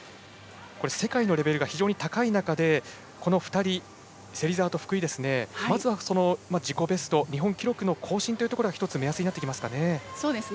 世界のレベルが非常に高い中でこの２人芹澤と福井、まずは自己ベスト日本記録の更新が１つ目安になりますか。